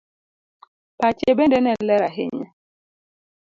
Pache bende ne ler ahinya